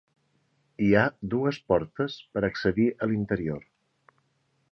Hi ha dues portes per accedir a l'interior.